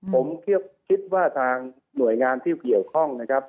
ผมคิดว่าทางหน่วยงานที่เกี่ยวข้องนะครับ